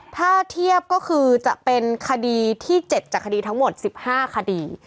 ถ้าเทียบก็คือจะเป็นคดีที่๗จากคดีทั้งหมด๑๕คดี